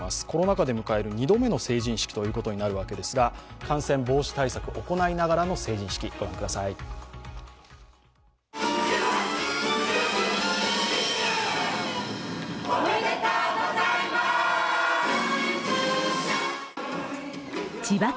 コロナ禍で迎える２度目の成人式ということになるわけですが感染防止対策を行いながらの成人式、御覧ください。